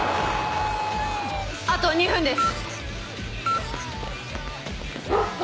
あと２分です！